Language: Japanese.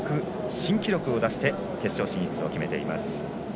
新記録を出して決勝進出を決めています。